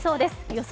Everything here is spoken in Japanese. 予想